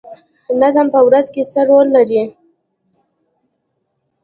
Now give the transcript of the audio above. نظم په پوځ کې څه رول لري؟